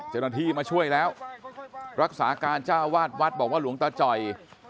เจ้าหน้าที่มาช่วยแล้วรักษาการเจ้าวาดวัดบอกว่าหลวงตาจ่อย